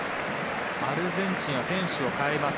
アルゼンチンは選手を代えます。